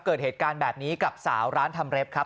เกิดเหตุการณ์แบบนี้กับสาวร้านทำเล็บครับ